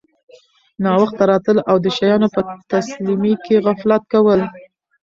ناوخته راتلل او د شیانو په تسلیمۍ کي غفلت کول